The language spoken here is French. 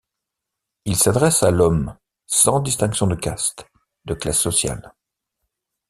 Il s'adresse à l'Homme sans distinction de castes, de classes sociales.